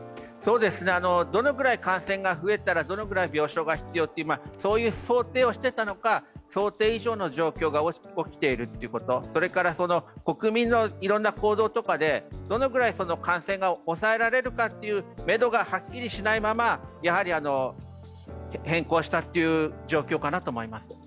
どのくらい感染が増えたら、どのくらい病床が必要ということをそういう想定をしていたのか、想定以上の状況が起きているということ、それから国民のいろんな行動とかでどのくらい感染が抑えられるかというめどがはっきりしないまま変更したという状況かなと思います。